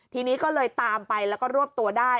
ทีนี้ก็เลยตามไปแล้วก็รวบตัวได้